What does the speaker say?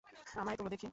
আমায় তোলো দেখি।